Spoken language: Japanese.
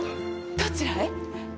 どちらへ？